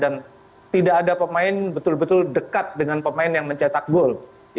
dan tidak ada pemain betul betul dekat dengan pemain yang mencetak gol